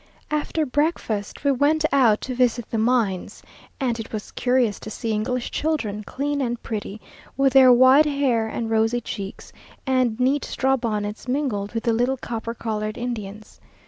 After breakfast, we went out to visit the mines, and it was curious to see English children, clean and pretty, with their white hair and rosy cheeks, and neat straw bonnets, mingled with the little copper coloured Indians.